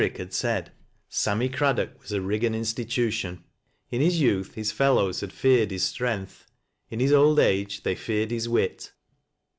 rick had said, Sammy Craddock was a Eiggan institution In his youtli, his fellows had feared his strength ; in hi« old age they feared his wit.